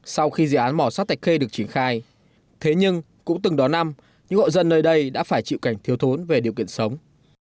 sau khi dự án mỏ sắt thạch khê được triển khai thế nhưng cũng từng đó năm những hộ dân nơi đây đã phải chịu cảnh thiếu thốn về điều kiện sống